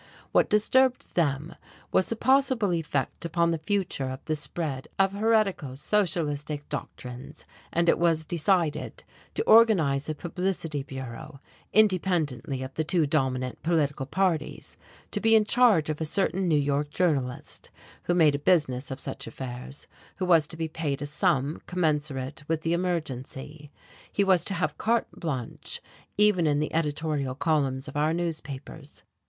What disturbed them was the possible effect upon the future of the spread of heretical, socialistic doctrines, and it was decided to organize a publicity bureau, independently of the two dominant political parties, to be in charge of a certain New York journalist who made a business of such affairs, who was to be paid a sum commensurate with the emergency. He was to have carte blanche, even in the editorial columns of our newspapers.